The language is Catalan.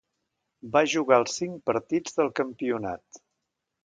Va jugar els cinc partits del campionat.